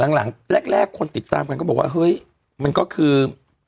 หลังแรกคนติดตามกันก็บอกว่าเฮ้ยมันก็คือ